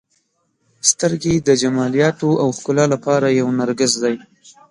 • سترګې د جمالیاتو او ښکلا لپاره یو نرګس دی.